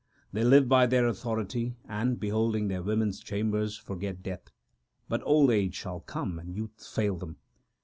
They live by their authority, and, beholding their women s chambers, forget death ; But old age shall come and youth fail them.